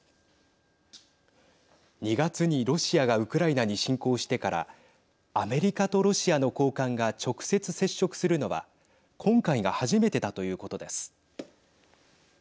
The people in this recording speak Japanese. ２月にロシアがウクライナに侵攻してからアメリカとロシアの高官が直接、接触するのは今回が初めてだということです。